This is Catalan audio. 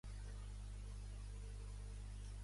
Va morir de les ferides sofertes a la batalla de Savannah.